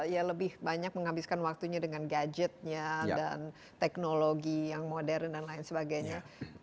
ya lebih banyak menghabiskan waktunya dengan gadgetnya dan teknologi yang modern dan lain sebagainya